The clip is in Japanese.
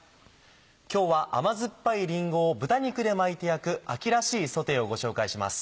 今日は甘酸っぱいりんごを豚肉で巻いて焼く秋らしいソテーをご紹介します。